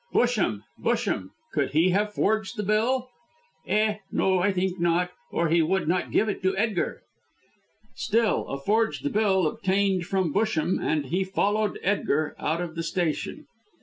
'" "Busham! Busham! Could he have forged the bill?" "Eh? No, I think not, or he would not give it to Edgar." "Still, a forged bill, obtained from Busham, and he followed Edgar out of the station.